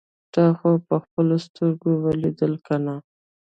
تا خو په خپلو سترګو اوليدل کنه.